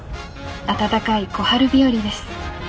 暖かい小春日和です。